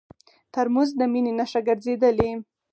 ترموز د مینې نښه ګرځېدلې.